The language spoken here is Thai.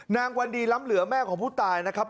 นางวันดีล้ำเหลือแม่ของผู้ตายนะครับ